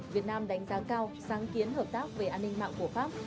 việt nam đánh giá cao sáng kiến hợp tác về an ninh mạng của pháp